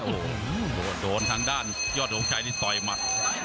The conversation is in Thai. โอ้โหโดนทางด้านยอดหงชัยนี่ต่อยหมัด